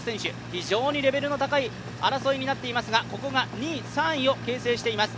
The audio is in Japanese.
非常にレベルの高い争いになっていますがここが２位、３位を形成しています。